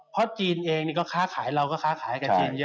เพราะจีนเองก็ค้าขายเราก็ค้าขายกับจีนเยอะ